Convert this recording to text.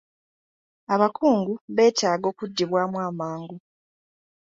Abakungu beetaaga okuddibwamu amangu.